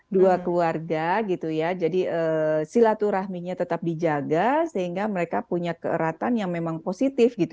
dua keluarga gitu ya jadi silaturahminya tetap dijaga sehingga mereka punya keeratan yang memang positif gitu